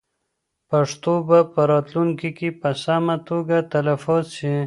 پښتو به په راتلونکي کې په سمه توګه تلفظ شي.